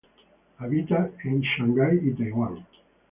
Habita en Shanghái y Taiwán.